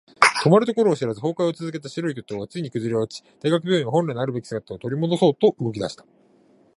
止まるところを知らず崩壊を続けた白い巨塔はついに崩れ落ち、大学病院は本来のあるべき姿を取り戻そうと動き出した。